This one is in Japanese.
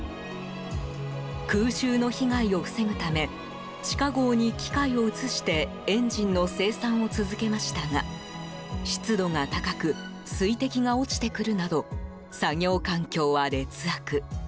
空襲の被害を防ぐため地下壕に機械を移してエンジンの生産を続けましたが湿度が高く水滴が落ちてくるなど作業環境は劣悪。